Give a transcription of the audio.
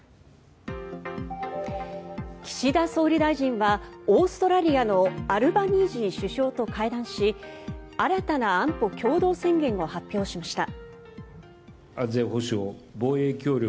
岸田総理大臣はオーストラリアのアルバニージー首相と会談し新たな安保共同宣言を発表しました。